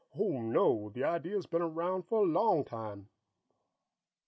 "Oh, no; that idea's been around for a long time."